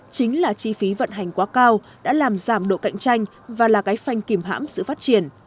chính là chi phí vận hành quá cao đã làm giảm độ cạnh tranh và là cái phanh kìm hãm sự phát triển